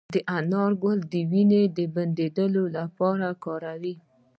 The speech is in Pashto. د انار ګل د وینې د بندیدو لپاره وکاروئ